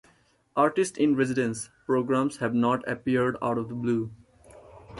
Artist-in-residence programs have not appeared out of the blue.